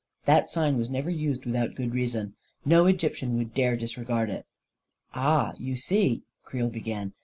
That sign was never used without good reason. No Egyptian would dare disregard it." " Ah, you see," Creel began.